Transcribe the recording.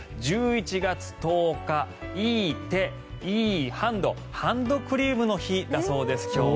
１１月１０日いい手いいハンド、今日はハンドクリームの日だそうです。